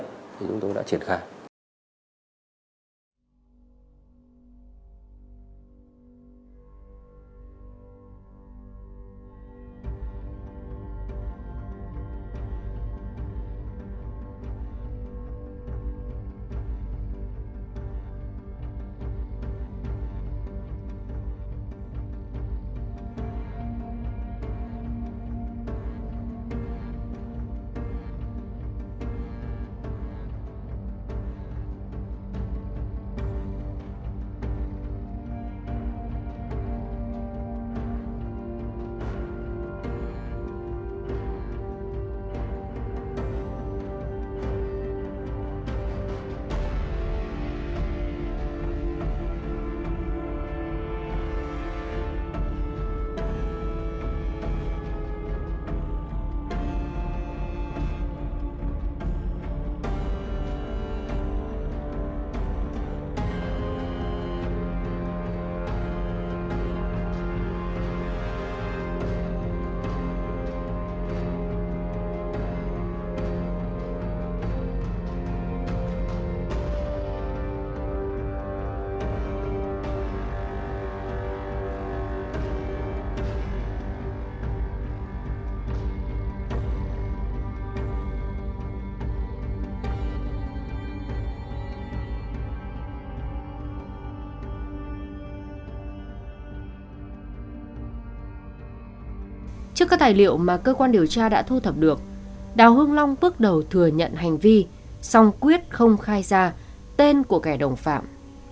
trước các tài liệu mà cơ quan điều tra đã thu thập được đào hương long bước đầu thừa nhận hành vi song quyết không khai ra tên của kẻ đồng phạm